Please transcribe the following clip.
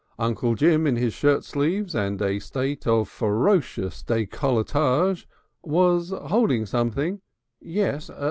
Uncle Jim in his shirtsleeves and a state of ferocious decolletage, was holding something yes!